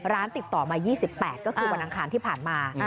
ติดต่อมา๒๘ก็คือวันอังคารที่ผ่านมา